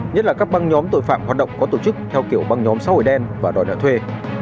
nhất là các băng nhóm tội phạm hoạt động có tổ chức theo kiểu băng nhóm xã hội đen và đòi nợ thuê